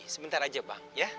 sebentar aja bang ya